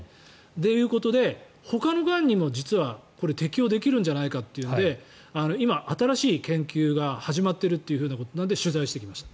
ということで、ほかのがんにも実はこれ適用できるんじゃないかということで今、新しい研究が始まっているということなので取材してきました。